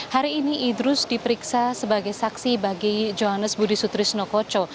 hari ini idrus diperiksa sebagai saksi bagi johannes budi sutrisno koco